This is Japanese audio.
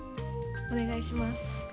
おねがいします。